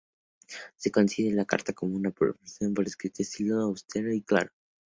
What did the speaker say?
Se concibe la carta como una "conversación por escrito", de estilo austero y claro.